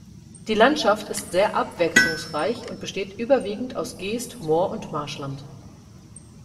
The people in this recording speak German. Die Landschaft ist sehr abwechslungsreich und besteht überwiegend aus Geest-, Moor- und Marschland.